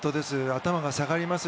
頭が下がります。